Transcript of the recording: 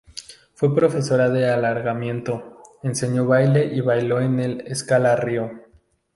Fue profesora de alargamiento, enseñó baile y bailó en el Scala Río.